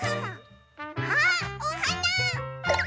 あっおはな！